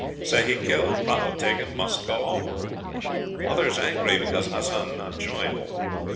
Sehi killed, prahu taken. Must go home. Others angry because Hassan not join.